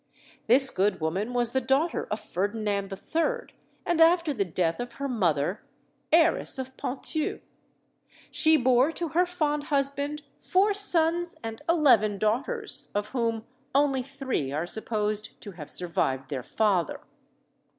This good woman was the daughter of Ferdinand III., and after the death of her mother, heiress of Ponthieu. She bore to her fond husband four sons and eleven daughters, of whom only three are supposed to have survived their father.